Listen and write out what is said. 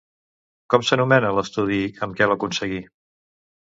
Com s'anomena l'estudi amb què l'aconseguí?